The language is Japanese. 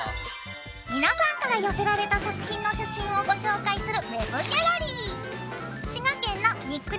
皆さんから寄せられた作品の写真をご紹介する「ＷＥＢギャラリー」。